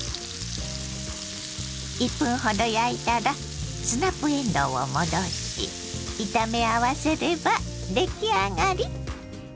１分ほど焼いたらスナップえんどうを戻し炒め合わせれば出来上がり。